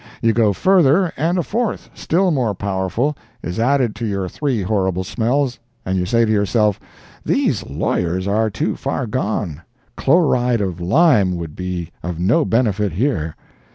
You go further and a fourth, still more powerful, is added to your three horrible smells; and you say to yourself, "These lawyers are too far gone—chloride of lime would be of no benefit here."